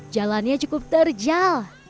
jalannya cukup terjal